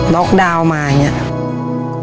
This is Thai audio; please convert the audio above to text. ล็อกดาวน์มาอย่างนี้